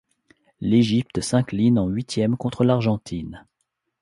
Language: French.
L'Égypte s'incline en huitièmes contre l'Argentine.